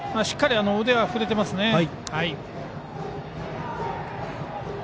しっかり腕は振れてますね。